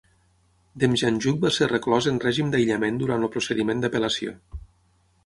Demjanjuk va ser reclòs en règim d'aïllament durant el procediment d'apel·lació.